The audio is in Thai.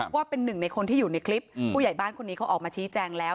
ว่าเป็นหนึ่งในคนที่อยู่ในคลิปผู้ใหญ่บ้านคนนี้เขาออกมาชี้แจงแล้ว